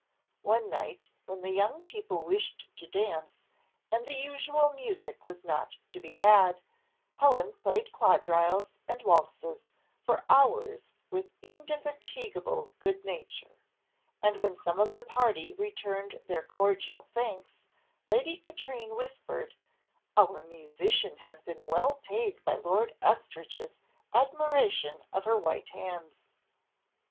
One night, when the young people wished to dance, and the usual music was not to be had, Helen played quadrilles, and waltzes, for hours with indefatigable good nature, and when some of the party returned their cordial thanks, Lady Katrine whispered, "our musician has been well paid by Lord Estridge's admiration of her white hands."